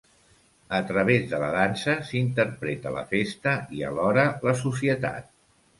A través de la dansa s'interpreta la festa i alhora la societat.